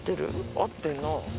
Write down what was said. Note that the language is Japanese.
合ってんな。